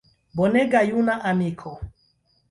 Bonega juna amiko!